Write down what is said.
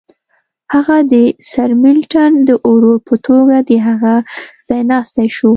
هغه د سرمیلټن د ورور په توګه د هغه ځایناستی شو.